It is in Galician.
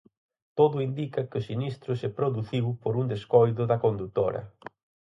Todo indica que o sinistro se produciu por un descoido da condutora.